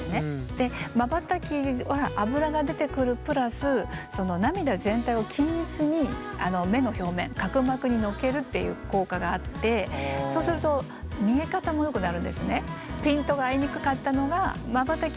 でまばたきはアブラが出てくるプラスその涙全体を均一に目の表面角膜にのっけるっていう効果があってそうすると見え方もよくなるんですね。